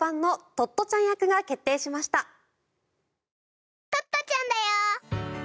トットちゃんだよ。